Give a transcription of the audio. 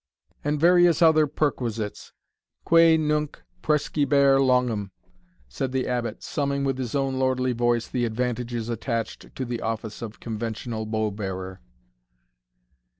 "And various other perquisites, quae nunc praescribere longum," said the Abbot, summing, with his own lordly voice, the advantages attached to the office of conventional bow bearer.